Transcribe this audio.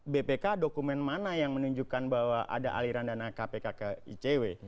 bpk dokumen mana yang menunjukkan bahwa ada aliran dana kpk ke icw